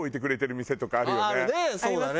そうだね。